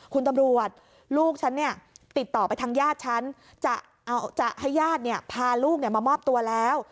คุณตำรวจลูกฉันเนี่ยติดต่อไปทางญาติฉันจะให้ญาติพาลูกมามอบตัวแล้ว